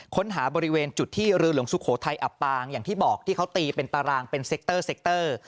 ค้นหาบริเวณจุดที่เรือหลวงสุโขทัยอับปางอย่างที่บอกที่เขาตีเป็นตารางเป็นเซ็กเตอร์เซ็กเตอร์